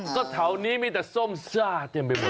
ก็เฉาะนี้มีแต่ส้มซ่าเต็มไปหมดเลย